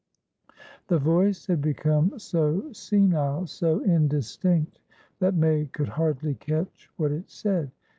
The voice had become so senile, so indistinct, that May could hardly catch what it said.